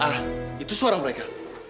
ah itu suara mereka